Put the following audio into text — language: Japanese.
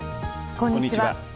こんにちは。